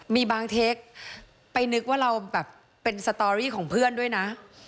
มีบางเทคไปนึกว่าเราแบบเป็นสตอรี่ของเพื่อนด้วยนะ